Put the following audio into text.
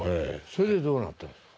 それでどうなったんですか？